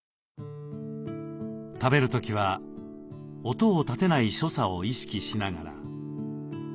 食べる時は音を立てない所作を意識しながら。